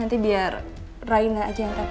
nanti biar reina aja yang ngerahin